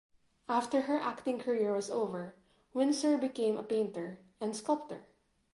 After her acting career was over, Windsor became a painter and sculptor.